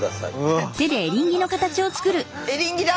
あっエリンギだ。